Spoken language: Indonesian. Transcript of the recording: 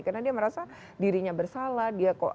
karena dia merasa dirinya bersalah